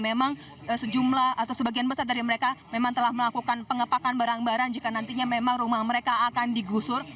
memang sejumlah atau sebagian besar dari mereka memang telah melakukan pengepakan barang barang jika nantinya memang rumah mereka akan digusur